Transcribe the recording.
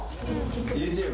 ＹｏｕＴｕｂｅ？